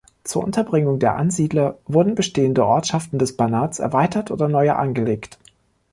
Zur Unterbringung der Ansiedler wurden bestehende Ortschaften des Banats erweitert oder neue angelegt.